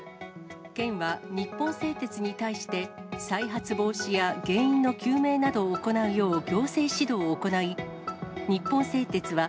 県は日本製鉄に対して、再発防止や原因の究明などを行うよう行政指導を行い、日本製鉄は、